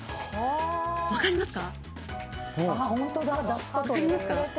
分かりますか？